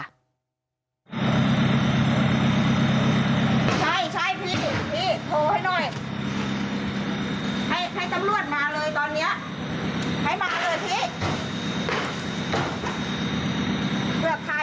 ใช่ใช่พี่พี่โทรให้หน่อย